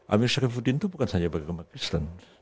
amir saryfuddin itu bukan saja beragama kristen